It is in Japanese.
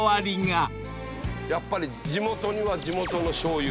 やっぱり地元には地元の醤油。